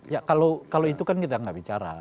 ya kalau itu kan kita nggak bicara